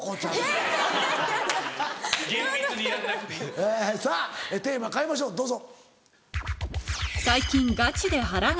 えぇさぁテーマ変えましょうどうぞ。